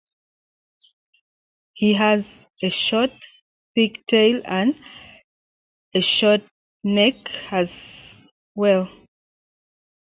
He has a short, thick tail and a short neck as well.